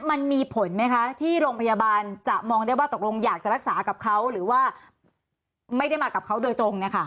มันมีผลไหมคะที่โรงพยาบาลจะมองได้ว่าตกลงอยากจะรักษากับเขาหรือว่าไม่ได้มากับเขาโดยตรง